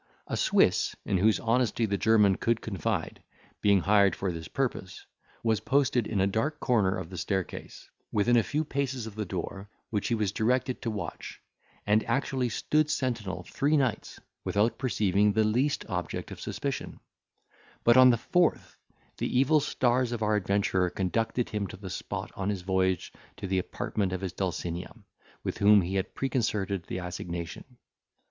A Swiss, in whose honesty the German could confide, being hired for this purpose, was posted in a dark corner of the staircase, within a few paces of the door, which he was directed to watch, and actually stood sentinel three nights, without perceiving the least object of suspicion; but, on the fourth, the evil stars of our adventurer conducted him to the spot, on his voyage to the apartment of his Dulcinea, with whom he had preconcerted the assignation.